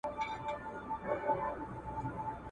نه پوهیږو ماتوو د چا هډونه ,